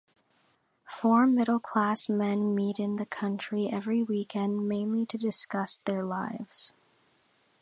Four middle-class men meet in the country every weekend mainly to discuss their lives.